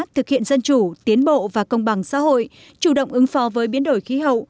thực hiện dân chủ tiến bộ và công bằng xã hội chủ động ứng phó với biến đổi khí hậu